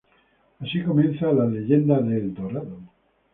Así comienza la leyenda de "El Dorado".